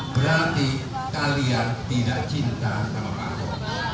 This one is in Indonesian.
berarti kalian tidak cinta sama pak ho